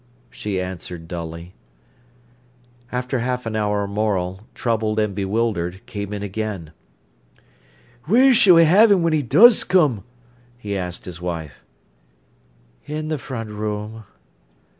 she answered, dully. After half an hour Morel, troubled and bewildered, came in again. "Wheer s'll we ha'e him when he does come?" he asked his wife. "In the front room."